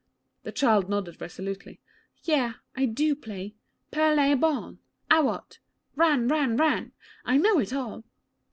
The child nodded resolutely. 'Yea, I do play. Perlay ball. Ow at! Ran, ran, ran! I know it all.'